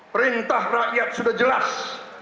perintah rakyat sudah jelas